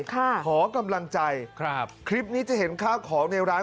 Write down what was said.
ขอกำลังใจครับคลิปนี้จะเห็นข้าวของในร้าน